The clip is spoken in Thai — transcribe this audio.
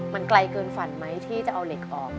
มันไกลเกินฝันไหมที่จะเอาเหล็กออก